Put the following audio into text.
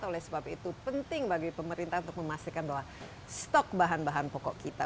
oleh sebab itu penting bagi pemerintah untuk memastikan bahwa stok bahan bahan pokok kita